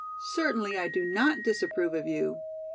"Certainly I do not disapprove of you."